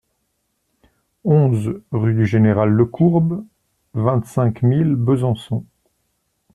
onze rue du Général Lecourbe, vingt-cinq mille Besançon